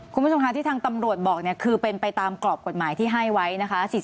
คุณผู้ชมค่ะที่ทางตำรวจบอกเนี่ยคือเป็นไปตามกรอบกฎหมายที่ให้ไว้นะคะ